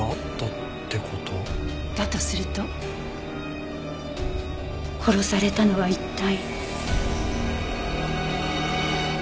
だとすると殺されたのは一体。